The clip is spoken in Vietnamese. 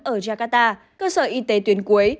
ở jakarta cơ sở y tế tuyến cuối